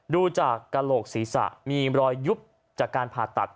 ดูจากกระโหลกศีรษะมีรอยยุบจากการผ่าตัด